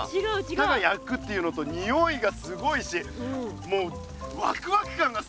ただやくっていうのとにおいがすごいしもうワクワク感がぜんぜんちがうよ。